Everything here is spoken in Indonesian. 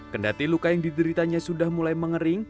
kendati luka yang dideritanya sudah mulai mengering